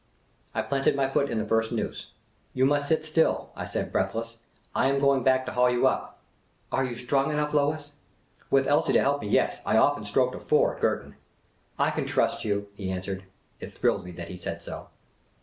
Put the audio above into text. I planted my foot in the first noose. " You must sit still," I said, breathless. " I am going back to haul you up." " Are you strong enough, Lois ?"" With Elsie to help me, yes. I often stroked a four at Girton." " I can trust you," he answered. It thrilled me that he said so.